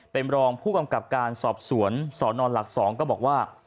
เป็นรองผู้กำกับการสอบสวนสนหลัก๒ก็บอกว่า